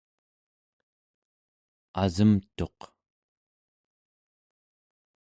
asemtuq